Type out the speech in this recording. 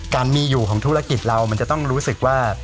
การมีอยู่ของธุรกิจเรามันจะต้องรู้สึกว่า